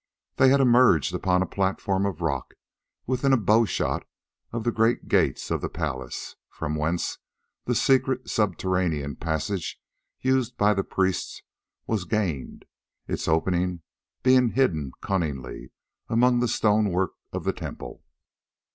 They had emerged upon a platform of rock within a bowshot of the great gates of the palace, from whence the secret subterranean passage used by the priests was gained, its opening being hidden cunningly among the stone work of the temple.